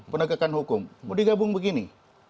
penegakan hukum mau digabung begini